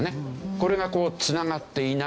これがこう繋がっていない。